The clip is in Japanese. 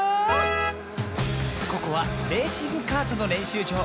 ここはレーシングカートのれんしゅうじょう。